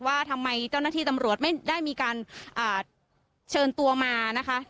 ว่าทำไมเจ้าหน้าที่ตำรวจไม่ได้มีการเชิญตัวมานะคะ